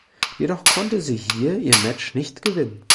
Jedoch konnte sie hier ihr Match nicht gewinnen.